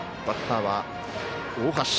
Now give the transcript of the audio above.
バッターは大橋。